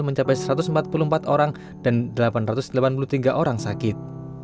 mencapai satu ratus empat puluh empat orang dan delapan ratus delapan puluh tiga orang sakit